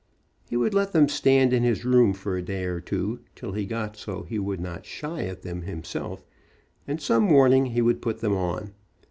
He would let them stand in his room for a day or two, till he got so he would not shy at them himself, and some morning he would put them on.